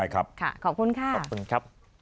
ขอบคุณค่ะ